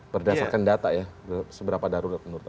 berdasarkan data ya seberapa darurat menurut anda